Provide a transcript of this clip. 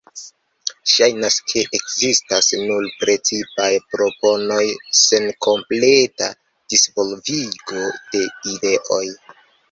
Ŝajnas ke ekzistas nur precipaj proponoj sen kompleta disvolvigo de ideoj.